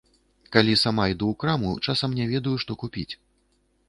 Калі сама іду ў краму, часам не ведаю, што купіць.